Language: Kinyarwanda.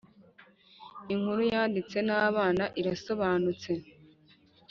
inkuru yanditse n’abana irasobonutse